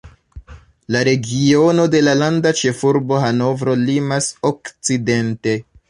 La regiono de la landa ĉefurbo Hanovro limas okcidente.